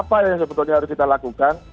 apa yang sebetulnya harus kita lakukan